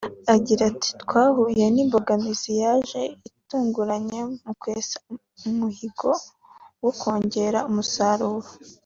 Agira ati “Twahuye n’imbogamizi yaje itunguranye mu kwesa umuhigo wo kongera umusaruro